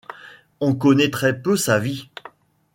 On connaît très peu sa vie.